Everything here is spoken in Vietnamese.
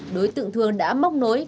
đối tượng thường đã móc nối